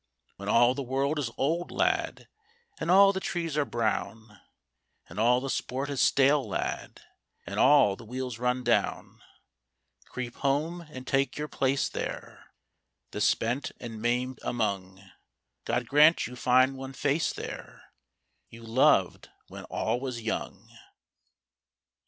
When all the world is old, lad, And all the trees are brown; And all the sport is stale, lad, And all the wheels run down; Creep home, and take your place there, The spent and maimed among: God grant you find one face there, You loved when all was young.